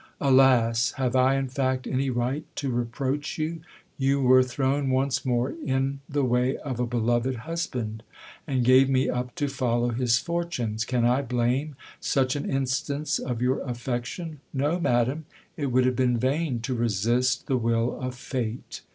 Alas ! Have I in fact any right to reproach you ? You were thrown once more in the way of a beloved husband ; and gave me up to follow his fortunes : can I blame such an instance of your affection ? No, madam, it would have been vain to resist the will of fate.